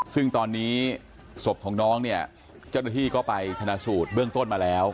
ซึ่งตอนนี้ศพของน้องเนี่ยเจ้าหน้าที่ก็ไปชนะสูตรเบื้องต้นมาแล้ว